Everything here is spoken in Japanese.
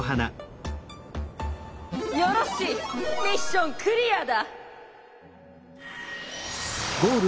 よろしいミッションクリアだ！